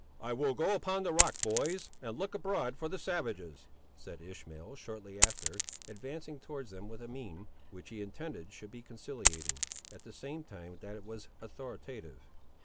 "I will go upon the rock, boys, and look abroad for the savages," said Ishmael shortly after, advancing towards them with a mien which he intended should be conciliating, at the same time that it was authoritative.